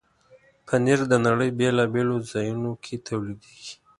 پنېر د نړۍ بیلابیلو ځایونو کې تولیدېږي.